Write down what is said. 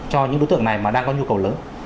cho những đối tượng này mà đang có nhu cầu lớn